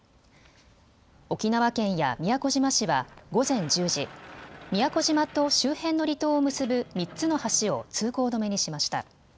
沖縄県や宮古島市は午前１０時、宮古島と周辺の離島を結ぶ３つの橋を通行止めにしました。